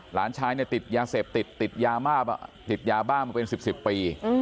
หลานชายเนี่ยติดยาเสบติดติดยามาบ้างติดยาบ้างเกินเป็น๑๐กันปี